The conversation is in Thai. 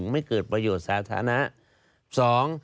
ไม่เกิดประโยชน์สาธารณะ